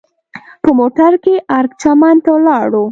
په موټر کې ارګ چمن ته ولاړو.